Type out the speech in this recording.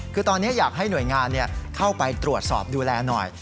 คือตอนนี้อยากให้หน่วยงานเข้าไปตรวจสอบดูแลหน่อย